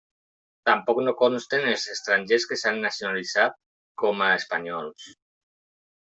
Tampoc no consten els estrangers que s'han nacionalitzat com a espanyols.